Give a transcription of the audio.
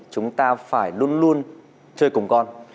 chúng ta phải luôn luôn chơi cùng con